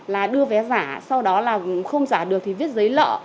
là đưa vé giả sau đó là không giả được thì viết giấy nợ